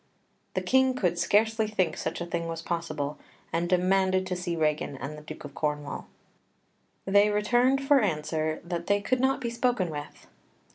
The King could scarcely think such a thing was possible, and demanded to see Regan and the Duke of Cornwall. They returned for answer that they could not be spoken with.